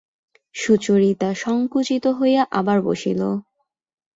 সুচরিতা সংকুচিত হইয়া আবার বসিল।